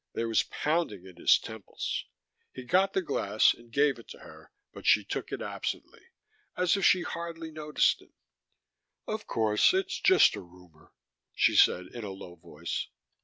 There was pounding in his temples. He got the glass and gave it to her but she took it absently, as if she hardly noticed him. "Of course, it's just a rumor," she said in a low voice.